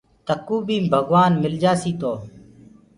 تڪو بي ڀگوآن مِلجآسيٚ تو